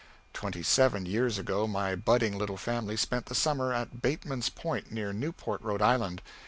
Twenty seven years ago my budding little family spent the summer at Bateman's Point, near Newport, Rhode Island.